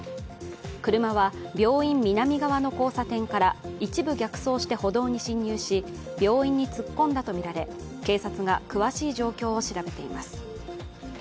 車は病院南側の交差点から一部逆走して歩道に進入し、病院に突っ込んだとみられ、警察が詳しい状況を調べています。